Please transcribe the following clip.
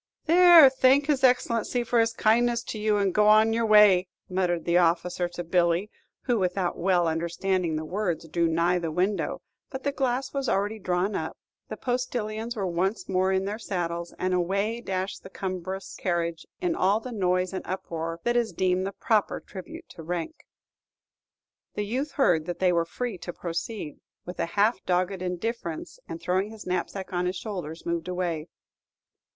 "There, thank his Excellency for his kindness to you, and go your way," muttered the officer to Billy, who, without well understanding the words, drew nigh the window; but the glass was already drawn up, the postilions were once more in their saddles, and away dashed the cumbrous carriage in all the noise and uproar that is deemed the proper tribute to rank. The youth heard that they were free to proceed, with a half dogged indifference, and throwing his knapsack on his shoulders, moved away.